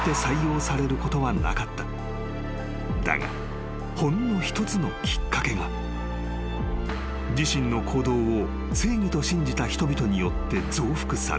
［だがほんの一つのきっかけが自身の行動を正義と信じた人々によって増幅され］